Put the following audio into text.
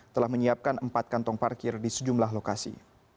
telah menyiapkan empat kantong parkir di sejumlah lokasi